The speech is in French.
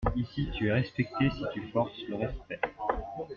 Ici, tu es respecté si tu forces le respect.